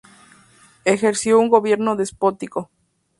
Ejerció un gobierno despótico.